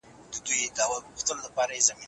د جلات خان ناره مې اوس هم په یاد ده.